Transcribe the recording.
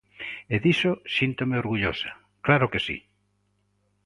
E diso síntome orgullosa, ¡claro que si!